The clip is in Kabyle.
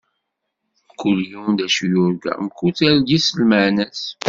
Mkul yiwen d acu yurga, mkul targit s lmeɛna-s.